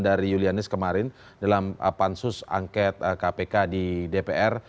dari yulianis kemarin dalam pansus angket kpk di dpr